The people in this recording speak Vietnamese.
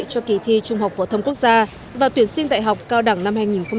cho kỳ thi trung học phổ thông quốc gia và tuyển sinh đại học cao đẳng năm hai nghìn một mươi chín